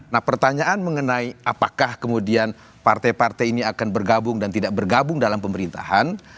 nah pertanyaan mengenai apakah kemudian partai partai ini akan bergabung dan tidak bergabung dalam pemerintahan